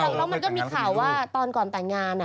จริงแล้วมันก็มีข่าวว่าตอนก่อนแต่งงาน